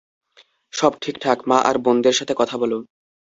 সব ঠিকঠাক, মা আর বোনদের সাথে কথা বল।